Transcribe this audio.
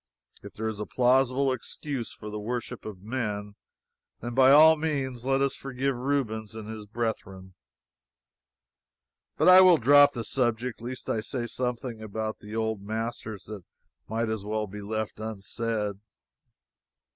If there is a plausible excuse for the worship of men, then by all means let us forgive Rubens and his brethren. But I will drop the subject, lest I say something about the old masters that might as well be left unsaid.